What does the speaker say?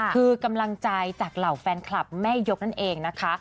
คือกำลังใจจากเหล่าแฟนคลับแม่ยกนั่นเองนะคะ